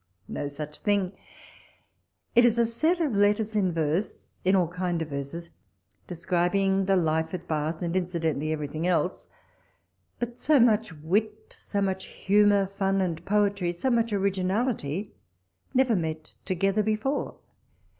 No such thing. It is a set of letters in verse, in all kind of verses, describing the life at Bath, and incidentally everything else ; but so much wit, so much humour, fun, and poetry, so much originality, never met together before.